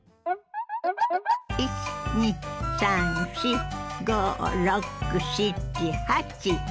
１２３４５６７８。